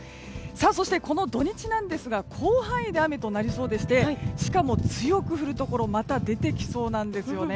そして、この土日なんですが広範囲で雨となりそうでしてしかも強く降るところがまた出てきそうなんですね。